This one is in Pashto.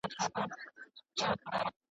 په هوا کي ماڼۍ نه جوړېږي